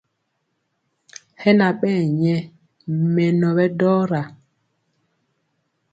Hɛ na ɓɛɛ nyɛ mɛnɔ ɓɛ dɔra.